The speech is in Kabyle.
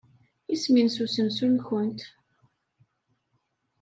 Isem-nnes usensu-nwent?